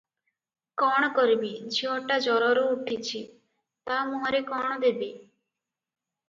କ’ଣ କରିବି, ଝିଅଟା ଜରରୁ ଉଠିଛି, ତା’ ମୁହଁରେ କ’ଣ ଦେବି?